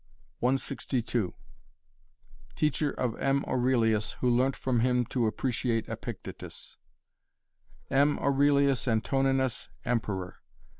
Cos 162 Teacher of M Aurelius who learnt from him to appreciate Epictetus M Aurelius Antoninus Emperor